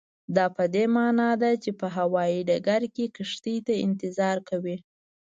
دا پدې معنا ده چې په هوایي ډګر کې کښتۍ ته انتظار کوئ.